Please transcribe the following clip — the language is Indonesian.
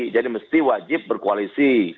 jadi mesti wajib berkualisi